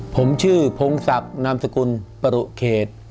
ผมชื่อพงศักดิ์นามสกุลปรุเขต